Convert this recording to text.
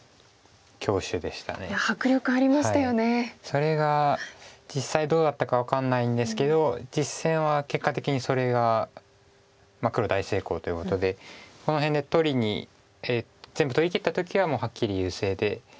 それが実際どうだったか分かんないんですけど実戦は結果的にそれが黒大成功ということでこの辺で取りに全部取りきった時はもうはっきり優勢で。